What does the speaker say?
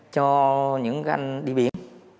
cho những anh đi biển